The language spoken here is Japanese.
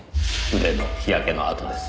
腕の日焼けのあとです。